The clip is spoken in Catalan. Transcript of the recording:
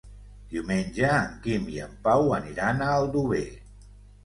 Diumenge en Quim i en Pau aniran a Aldover.